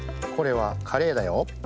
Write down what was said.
これはカレイだよ。